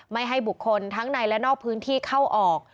ไม่ให้บุคคลทั้งในและนอกพื้นที่เข้าออก